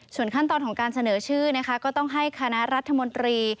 ส่วนขั้นตอนของการเสนอชื่อนะคะก็ต้องให้คณะรัฐมนตรี